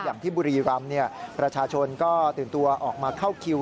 อย่างที่บุรีรำประชาชนก็ตื่นตัวออกมาเข้าคิว